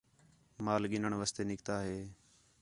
مال گِنّݨ واسطے نِکتا ہِے